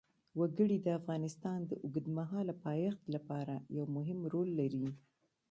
وګړي د افغانستان د اوږدمهاله پایښت لپاره یو مهم رول لري.